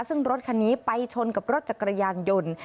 ซึ่งรถคันนี้ไปชนกับรถจักรยานยนต์